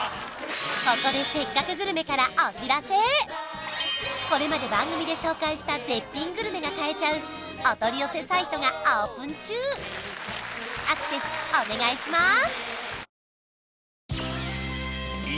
ここで「せっかくグルメ！！」からこれまで番組で紹介した絶品グルメが買えちゃうお取り寄せサイトがオープン中アクセスお願いします！